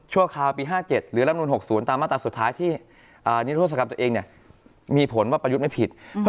หมายความว่าอะไร